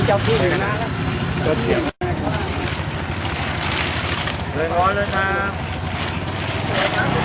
ใช่หรอภูเดิร์ฟฟาร์เฟตไม่ใช่ตัวนี้